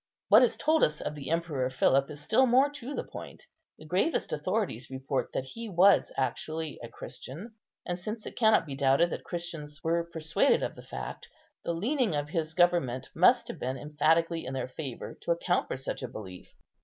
What is told us of the Emperor Philip is still more to the point: the gravest authorities report that he was actually a Christian; and, since it cannot be doubted that Christians were persuaded of the fact, the leaning of his government must have been emphatically in their favour to account for such a belief.